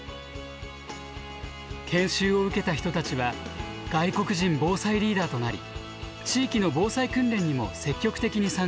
研修を受けた人たちは外国人防災リーダーとなり地域の防災訓練にも積極的に参加してきました。